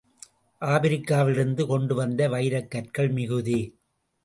ஆப்பிரிக்காவில் இருந்து கொண்டுவந்த வைரக்கற்கள் மிகுதி.